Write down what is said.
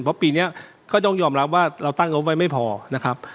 เพราะปีนี้ก็ต้องยอมรับว่าเราตั้งงบไว้ไม่พอนะครับ